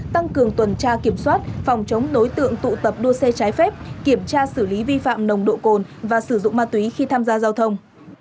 tăng cường tuần tra kiểm soát phòng chống đối tượng tụ tập đua xe trái phép kiểm tra xử lý vi phạm nồng độ cồn và sử dụng ma túy khi tham gia giao thông